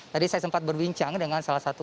tadi saya sempat berbincang dengan salah satu